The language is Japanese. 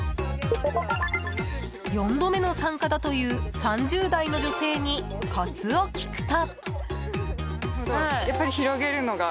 ４度目の参加だという３０代の女性にコツを聞くと。